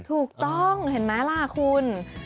ถูกต้องเห็นไหมล่ะคุณ